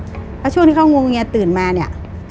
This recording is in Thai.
เพราะช่วงที่เขางวงเงียตื่นมาเนี่ย